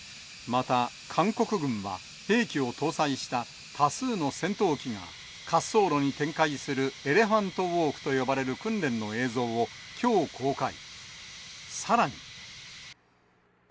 また、韓国軍は、兵器を搭載した多数の戦闘機が滑走路に展開する、エレファントウォークと呼ばれる訓練の様子をきょう公開。